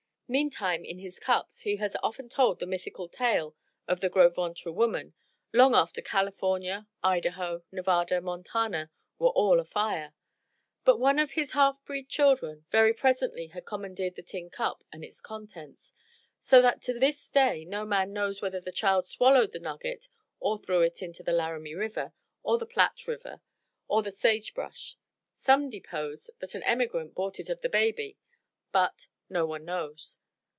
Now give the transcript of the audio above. Meantime in his cups he often had told the mythical tale of the Gros Ventre woman long after California, Idaho, Nevada, Montana were all afire. But one of his halfbreed children very presently had commandeered the tin cup and its contents, so that to this day no man knows whether the child swallowed the nugget or threw it into the Laramie River or the Platte River or the sagebrush. Some depose that an emigrant bought it of the baby; but no one knows.